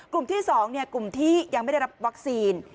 กลุ่มที่๒กลุ่มที่ยังไม่ได้รับวัคซีน